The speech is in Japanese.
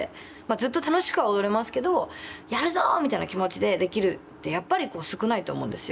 ずっと楽しくは踊れますけど「やるぞ！」みたいな気持ちでできるってやっぱり少ないと思うんですよ。